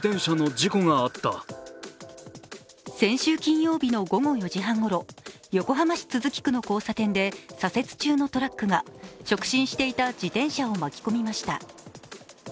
先週金曜日の午後４時半ごろ、横浜市都筑区の交差点で左折中のトラックが直進していた自転車を巻き込みました。